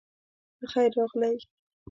پخير راغلئ